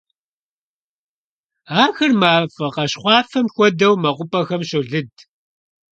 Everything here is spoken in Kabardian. Ахэр мафӀэ къащхъуафэм хуэдэу мэкъупӀэхэм щолыд.